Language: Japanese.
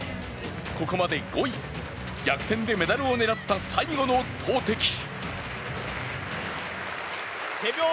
ここまで５位、逆転でメダルを狙った最後の投てき。